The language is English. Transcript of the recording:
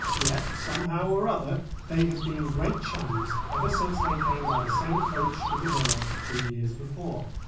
Yet, somehow or other, they had been great chums ever since they came by the same coach to the Villa two years before.